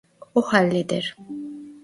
O halleder.